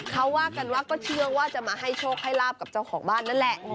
เขาว่ากันว่าก็เชื่อว่าจะมาให้โชคให้ลาบกับเจ้าของบ้านนั่นแหละ